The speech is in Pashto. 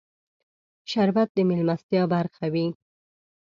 شربت د مېلمستیا برخه وي